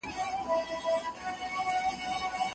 د خان کورته یې راوړې کربلا وه